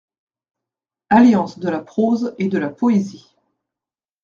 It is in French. Alliance de la prose et de la poésie.